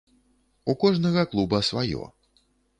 У кожнага клуба сваё.